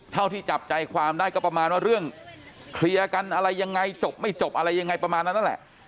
เท่าที่จับใจความได้ก็ประมาณว่าเรื่องเคลียร์กันอะไรยังไงจบไม่จบอะไรยังไงประมาณนั้นนั่นแหละ